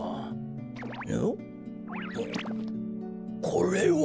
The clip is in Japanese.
これは。